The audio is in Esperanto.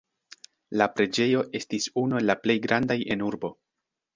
La preĝejo estis unu el la plej grandaj en urbo.